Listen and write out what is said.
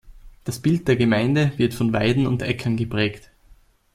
Das Bild der Gemeinde wird von Weiden und Äckern geprägt.